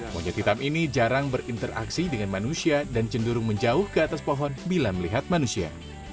monyet hitam ini jarang berinteraksi dengan manusia dan cenderung menjauh ke atas pohon bila melihat manusia